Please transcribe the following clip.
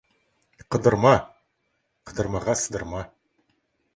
Қыдырма, қыдырмаға сыдырма.